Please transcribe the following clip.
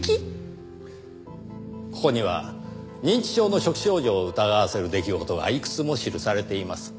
ここには認知症の初期症状を疑わせる出来事がいくつも記されています。